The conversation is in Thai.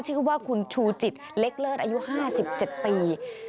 ชื่อว่าคุณชูจิตเล็กเลิศอายุ๕๗ปี